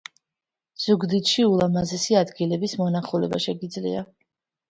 ზუგდიდში ულამაზესი ადგილების მონახულება შეგიძლია